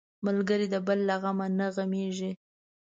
ملګری د بل له غم نه غمېږي